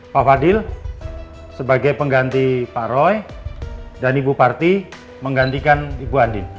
pak fadil sebagai pengganti pak roy dan ibu parti menggantikan ibu andi